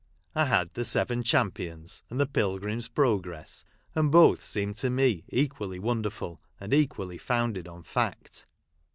I had the " Seven Champions," and the " Pilgrim's Progress ;" and both seemed to me equally wonderful, and equally founded on fact.